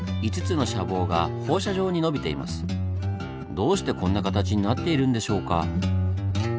どうしてこんな形になっているんでしょうか？